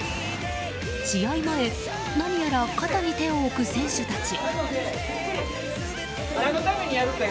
試合前、何やら肩に手を置く選手たち。